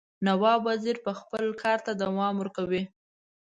نواب وزیر به خپل کارته دوام ورکوي.